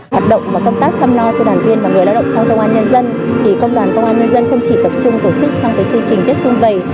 hoạt động và công tác chăm lo cho đoàn viên và người lao động trong công an nhân dân thì công đoàn công an nhân dân không chỉ tập trung tổ chức trong chương trình tết xuân vầy